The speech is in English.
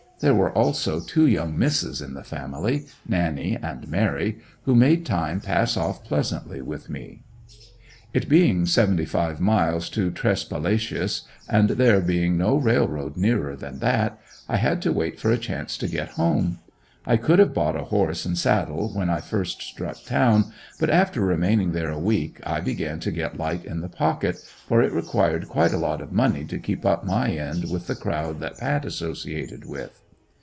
There were also two young Misses in the family, Nannie and Mary, who made time pass off pleasantly with me. It being seventy five miles to Tresspalacious and there being no railroad nearer than that, I had to wait for a chance to get home. I could have bought a horse and saddle when I first struck town but after remaining there a week I began to get light in the pocket, for it required quite a lot of money to keep up my end with the crowd that Pat associated with.